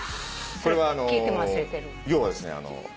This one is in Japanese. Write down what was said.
これは要はですね